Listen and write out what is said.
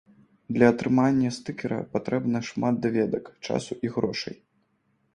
Для атрымання стыкера патрэбна шмат даведак, часу і грошай.